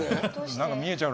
何か見えちゃう。